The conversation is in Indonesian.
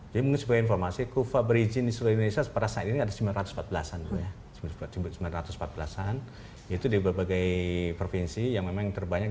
jadi mungkin sebagai informasi kufa berizin di seluruh indonesia pada saat ini ada sembilan ratus empat belas an itu di berbagai provinsi yang memang terbanyak